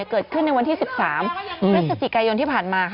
เกิดขึ้นในวันที่๑๓พฤศจิกายนที่ผ่านมา